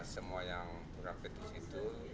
semua yang berapetis itu